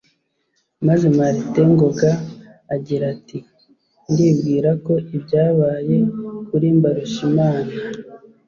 maze Martin Ngoga agira ati “Ndibwira ko ibyabaye kuri Mbarushimana